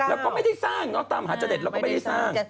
แล้วก็ไม่ได้สร้างเนอะตามหาจะเด็ดแล้วก็ไม่ได้สร้าง